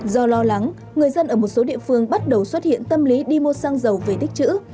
do lo lắng người dân ở một số địa phương bắt đầu xuất hiện tâm lý đi mua xăng dầu về tích chữ